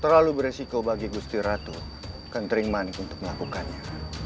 terlalu beresiko bagi gusti ratu kentriman untuk melakukannya